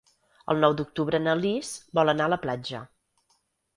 El nou d'octubre na Lis vol anar a la platja.